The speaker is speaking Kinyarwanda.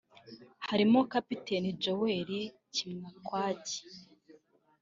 harimo kapiteni Joel Kimwaki